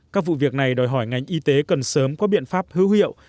các vụ việc này đòi hỏi ngành y tế cần sớm có biện pháp hữu hiệu